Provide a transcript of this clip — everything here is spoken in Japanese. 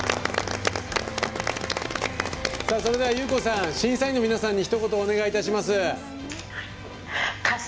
それでは、祐子さん審査員の皆さんにひと言お願いいたします。